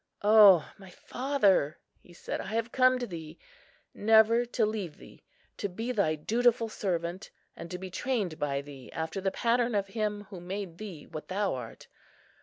"O my father," he said, "I come to thee, never to leave thee, to be thy dutiful servant, and to be trained by thee after the pattern of Him who made thee what thou art.